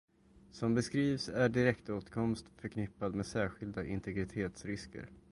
Som beskrivs är direktåtkomst förknippad med särskilda integritetsrisker.